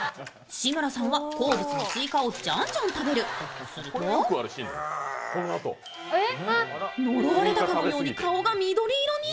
志村さんは好物のスイカをじゃんじゃん食べる、すると呪われたかのように顔が緑色に。